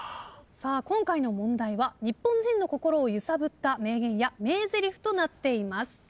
今回の問題は日本人の心を揺さぶった名言や名ゼリフとなっています。